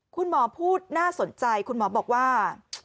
คุณหมอพูดน่าสนใจคุณหมอบอกว่า